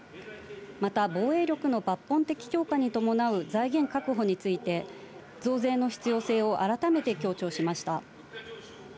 また、防衛力の抜本的強化に伴う財源確保について、増税の必要性を改めて強調しました。